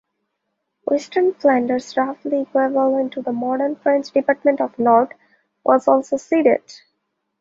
Western Flanders, roughly equivalent to the modern French department of Nord, was also ceded.